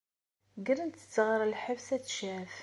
Grent-tt ɣer lḥebs ad tecɛef.